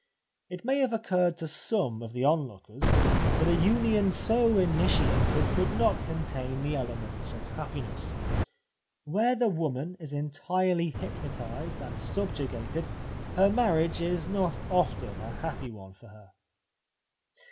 It may have occurred to some of the on lookers that a union so initiated could not contain the elements of happiness. Where the woman is entirely hypnotised and sub jugated her marriage is not often a happy one for her.